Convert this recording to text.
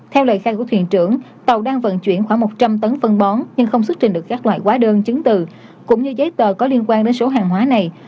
theo lời khai của thuyền trưởng tàu đang vận chuyển khoảng một trăm linh tấn phân bón nhưng không xuất trình được các loại hóa đơn chứng từ cũng như giấy tờ có liên quan đến số hàng hóa này